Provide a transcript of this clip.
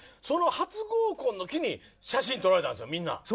初合コンの日に写真撮られたんですよ、みんな。